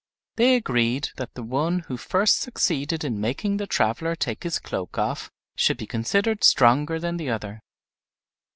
They agreed that the one who first succeeded in making the traveler take his cloak off should be considered stronger than the other.